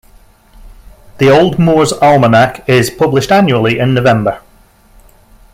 The "Old Moore's Almanac" is published annually in November.